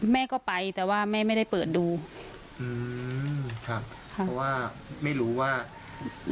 แม่ก็ไปแต่ว่าแม่ไม่ได้เปิดดูอืมครับค่ะเพราะว่าไม่รู้ว่า